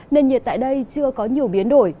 nên nhiệt tại đây chưa có nhiều biến đổi